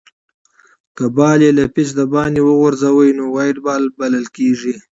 که بال له پيچ دباندي وغورځي؛ نو وایډ بال بلل کیږي.